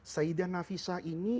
sayyidah nafisah ini